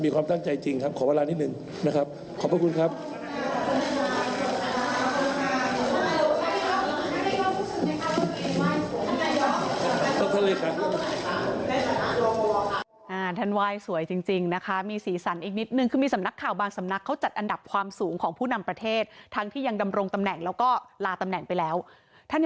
ความตั้งใจจริงครับขอเวลานิดนึงนะครับขอบพระคุณครับ